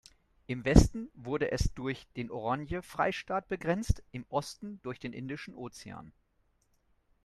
Im Westen wurde es durch den Oranje-Freistaat begrenzt, im Osten durch den Indischen Ozean.